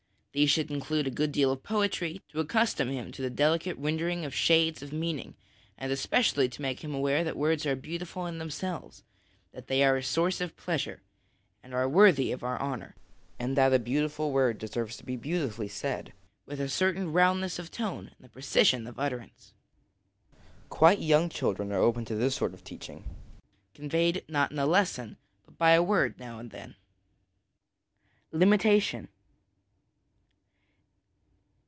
These should include a good deal of poetry, to accustom him to the delicate rendering of shades of meaning, and especially to make him aware that words are beautiful in them selves, that they are a source of pleasure, and are worthy of our honour; and that a beautiful word deserves to be beautifully said, with a certain round ness of tone and precision of utterance. Quite young children are open to this sort of teaching, conveyed, not in a lesson, but by a word now and then. Limitation.